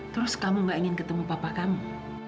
terus kamu gak ingin ketemu papa kamu